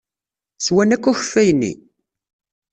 Swan akk akeffay-nni?